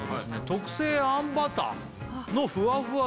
特撰あんバターのふわふわどら焼き